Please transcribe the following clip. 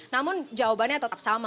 namun jawabannya tetap sama